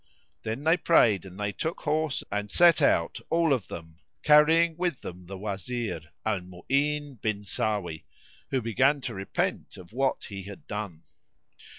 Then they prayed and they took horse and set out, all of them, carrying with them the Wazir, Al Mu'ín bin Sáwí, who began to repent him of what he had done.